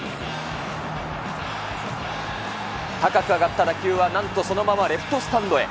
高く上がった打球はなんとそのままレフトスタンドへ。